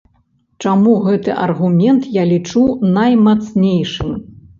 Чаму гэты аргумент я лічу наймацнейшым?